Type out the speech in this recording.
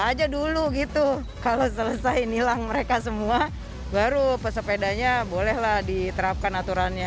aja dulu gitu kalau selesai nilang mereka semua baru pesepedanya bolehlah diterapkan aturannya